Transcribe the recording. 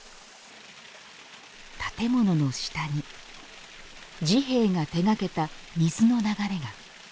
建物の下に治兵衛が手がけた水の流れが。